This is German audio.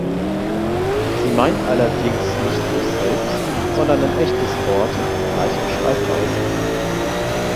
Sie meint allerdings nicht sich selbst, sondern ein echtes Wort mit gleicher Schreibweise.